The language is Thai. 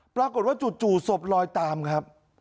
ปรากฏว่าจู่ศพลอยตามครับ